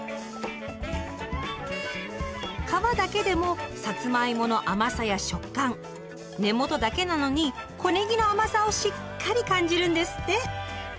皮だけでもさつまいもの甘さや食感根元だけなのに小ねぎの甘さをしっかり感じるんですって。